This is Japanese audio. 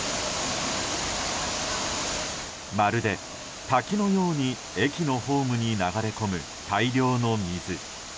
まるで滝のように駅のホームに流れ込む大量の水。